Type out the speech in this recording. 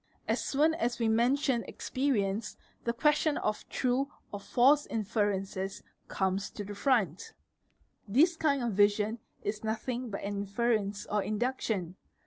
As soon as we mention experience, the question of true or , g g a: ot ae falls inferences comes to the front. 4 F This kind of vision is nothing but an inference or induction.